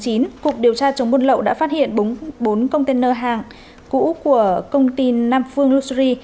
cục điều tra chống buôn lậu đã phát hiện bốn container hàng cũ của công ty nam phương luxe